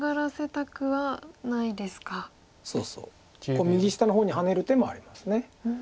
ここ右下の方にハネる手もあります。